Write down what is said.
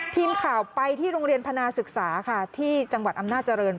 ทีมข่าวไปที่โรงเรียนพนาศึกษาค่ะที่จังหวัดอำนาจริง